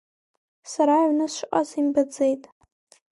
Сара аҩны сшыҟаз имбаӡеит.